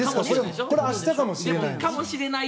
これ、明日かもしれない。